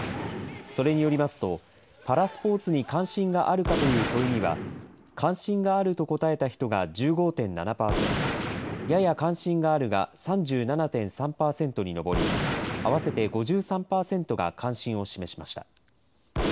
それによりますと、パラスポーツに関心があるかという問いには、関心があると答えた人が１５．７％、やや関心があるが３７．３％に上り、合わせて５３％が関心を示しました。